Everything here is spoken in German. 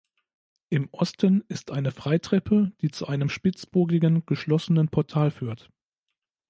Im Osten ist eine Freitreppe, die zu einem spitzbogigen geschlossenen Portal führt.